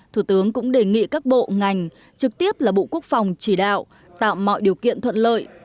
thủ tướng cũng đề nghị các bộ ngành trực tiếp là bộ quốc phòng chỉ đạo tạo mọi điều kiện thuận lợi